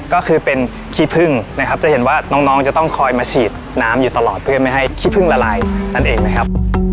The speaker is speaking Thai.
ก็คือเป็นขี้พึ่งนะครับจะเห็นว่าน้องจะต้องคอยมาฉีดน้ำอยู่ตลอดเพื่อไม่ให้ขี้พึ่งละลายนั่นเองนะครับ